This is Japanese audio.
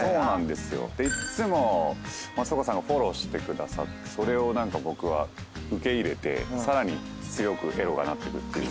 でいっつも松岡さんがフォローしてくださってそれを何か僕は受け入れてさらに強くエロがなってく。